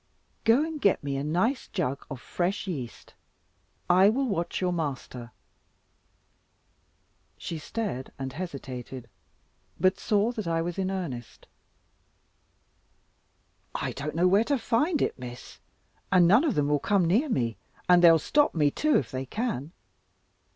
"Go and get me a nice jug of fresh yeast. I will watch your master." She stared, and hesitated; but saw that I was in earnest. "I don't know where to find it, Miss; and none of them will come near me; and they'll stop me too if they can.